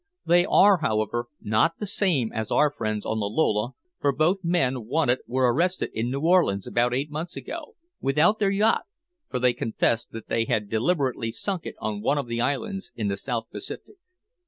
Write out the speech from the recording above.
They are, however, not the same as our friends on the Lola, for both men wanted were arrested in New Orleans about eight months ago, without their yacht, for they confessed that they had deliberately sunk it on one of the islands in the South Pacific."